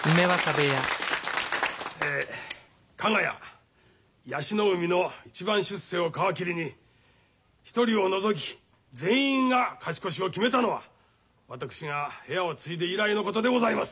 え加賀谷椰子の海の一番出世を皮切りに一人を除き全員が勝ち越しを決めたのは私が部屋を継いで以来のことでございます。